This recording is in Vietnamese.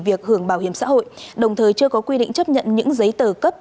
việc hưởng bảo hiểm xã hội đồng thời chưa có quy định chấp nhận những giấy tờ cấp